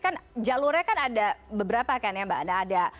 kan jalurnya ada beberapa kan mbak anna